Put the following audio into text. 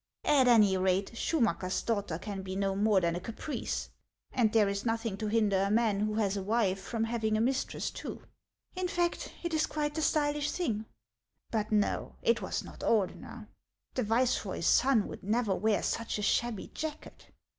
At any rate, Schumacker's daughter can be no more than a caprice ; and there is nothing to hinder a man who has a wife from having a mistress too ; in fact, it is quite the stylish thing. But no, it was not Ordener. The viceroy's son would never wear such a shabby jacket.